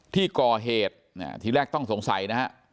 ที่ก่อเหตุทีแรกต้องสงสัยนะครับ